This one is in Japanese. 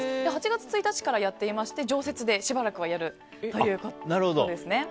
８月１日からやっていまして常設でしばらくはやるということです。